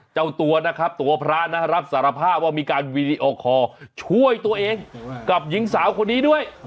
เจ้าตัวนะครับตัวพระนะรับสารภาพว่ามีการวีดีโอคอร์ช่วยตัวเองกับหญิงสาวคนนี้ด้วย